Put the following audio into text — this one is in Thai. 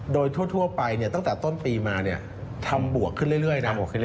โดยทั่วไปตั้งแต่ต้นปีมานี่ทำบวกขึ้นเรื่อย